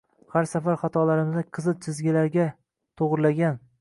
Har safar xatolarimizni qizil chizgilarla to‘g‘rilagan